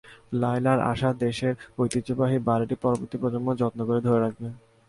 লায়লার আশা, দেশের ঐতিহ্যবাহী বাড়িটি পরবর্তী প্রজন্মও যত্ন করে ধরে রাখবে।